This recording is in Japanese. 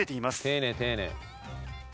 丁寧丁寧。